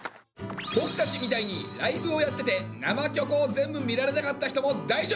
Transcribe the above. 僕たちみたいにライブをやってて「生キョコ」を全部見られなかった人も大丈夫！